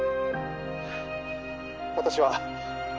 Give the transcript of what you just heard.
「私は」